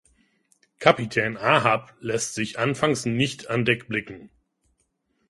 Kapitän Ahab lässt sich anfangs nicht an Deck blicken.